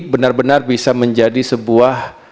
benar benar bisa menjadi sebuah